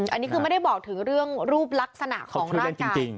อันนี้คือไม่ได้บอกถึงเรื่องรูปลักษณะของร่างกาย